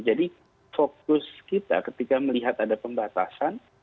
jadi fokus kita ketika melihat ada pembatasan